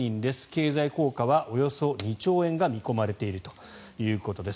経済効果はおよそ２兆円が見込まれているということです。